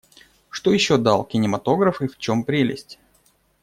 Что еще дал кинематограф и в чем прелесть?